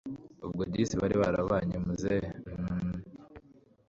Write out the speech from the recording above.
ubwo disi bari barabanye ! muzehe hhhm